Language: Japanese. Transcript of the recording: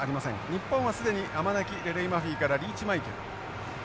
日本は既にアマナキレレイマフィからリーチマイケル。